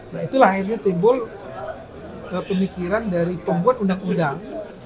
nah itulah akhirnya timbul pemikiran dari pembuat undang undang